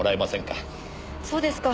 そうですか。